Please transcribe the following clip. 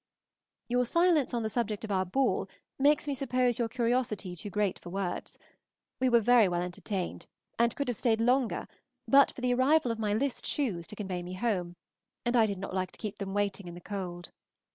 Your silence on the subject of our ball makes me suppose your curiosity too great for words. We were very well entertained, and could have stayed longer but for the arrival of my list shoes to convey me home, and I did not like to keep them waiting in the cold.